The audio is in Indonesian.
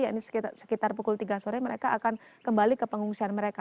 ya ini sekitar pukul tiga sore mereka akan kembali ke pengungsian mereka